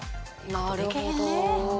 なるほど。